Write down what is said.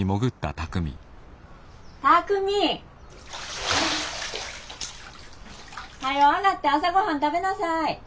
巧海。はよ上がって朝ごはん食べなさい。